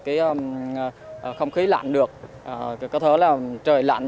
cái không khí lạnh được có thể là trời lạnh